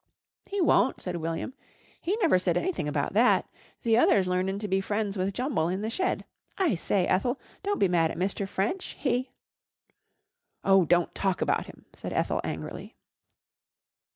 "He won't," said William. "He never said anything about that. The other's learnin' to be friends with Jumble in the shed. I say, Ethel, don't be mad at Mr. French. He " "Oh, don't talk about him," said Ethel angrily.